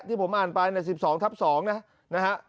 ที่ผมอ่านไป๑๒ทับ๒นะฮะ